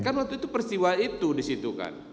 kan waktu itu peristiwa itu disitu kan